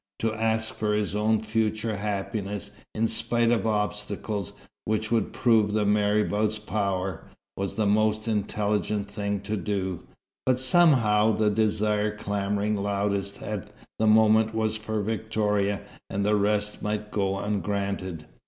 To ask for his own future happiness, in spite of obstacles which would prove the marabout's power, was the most intelligent thing to do; but somehow the desire clamouring loudest at the moment was for Victoria, and the rest might go ungranted.